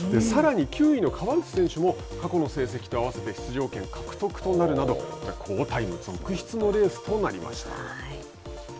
さらに、９位の川内選手も過去の成績とあわせて出場権獲得となるなど好タイム続出のレースとなりました。